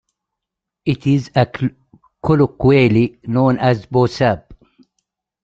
It is colloquially known as BuSab.